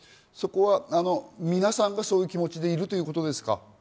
皆さんがそういう気持ちでいるということですか？